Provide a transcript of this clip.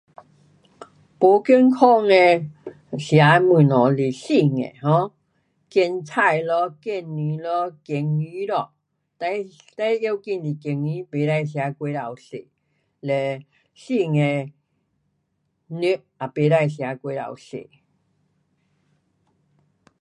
不健康的吃的东西是腌的 um。咸菜咯，咸蛋咯，咸鱼咯，最，最要紧咸鱼不可吃过头多，嘞腌的肉也不可吃太多。